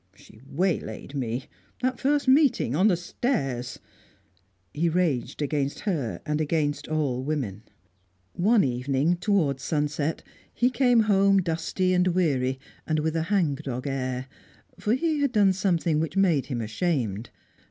She waylaid me. That first meeting on the stairs " He raged against her and against all women. One evening, towards sunset, he came home dusty and weary and with a hang dog air, for he had done something which made him ashamed.